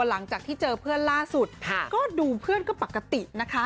หลังจากที่เจอเพื่อนล่าสุดก็ดูเพื่อนก็ปกตินะคะ